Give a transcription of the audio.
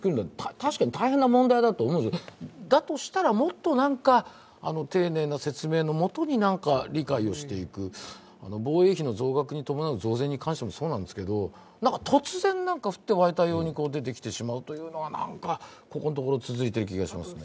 確かに大変な問題だと思うし、だとしたら、もっと丁寧な説明のもとに理解をしていく、防衛費の増額に伴う増税に関してもそうなんですけど、突然何か降って湧いたように出てきてしまうというのは何かここのところ、続いている気がしますね。